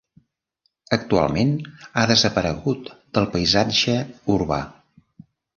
Actualment, ha desaparegut del paisatge urbà.